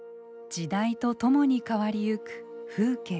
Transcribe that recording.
時代と共に変わりゆく風景。